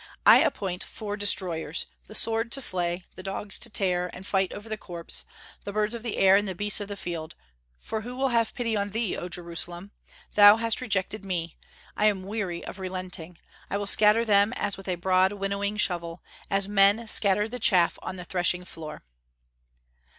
I appoint four destroyers, the sword to slay, the dogs to tear and fight over the corpse, the birds of the air, and the beasts of the field; for who will have pity on thee, O Jerusalem? Thou hast rejected me. I am weary of relenting. I will scatter them as with a broad winnowing shovel, as men scatter the chaff on the threshing floor."